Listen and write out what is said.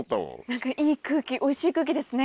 何かいい空気おいしい空気ですね。